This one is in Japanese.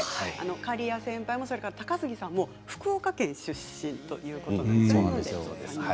刈谷先輩も高杉さんも福岡県出身ということなんですね。